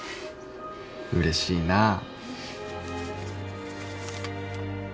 うれしいなぁ。